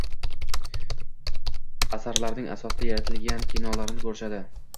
Asarlaring asosida yaralgan kinolarni ko‘rishadi